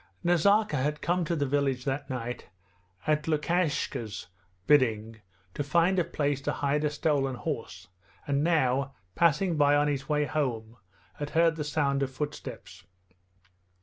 Nazarka had come to the village that night at Lukashka's bidding to find a place to hide a stolen horse, and now, passing by on his way home, had heard the sound of footsteps.